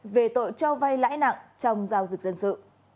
về tội cho vay lãi nặng trong giao dịch dân sự